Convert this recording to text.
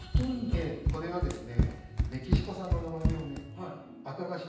ええこれはですね。